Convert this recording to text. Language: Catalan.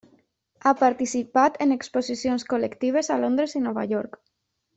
Ha participat en exposicions col·lectives a Londres i Nova York.